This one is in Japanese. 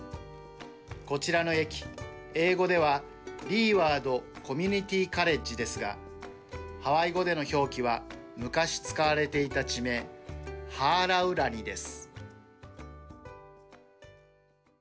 こちらの駅、英語ではリーワード・コミュニティー・カレッジですがハワイ語での表記は昔使われていた地名ハーラウラニです。